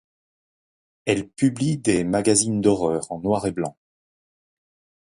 Elle publie des magazines d'horreur en noir et blanc.